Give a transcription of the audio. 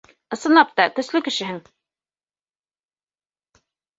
Ысынлап та, көслө кешеһең.